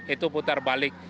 itu putar balik